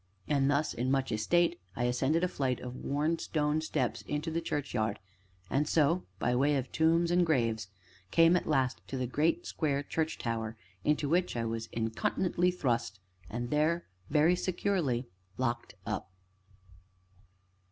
And thus, in much estate, I ascended a flight of worn stone steps into the churchyard, and so by a way of tombs and graves came at last to the great square church tower, into which I was incontinently thrust, and there very securely locked up.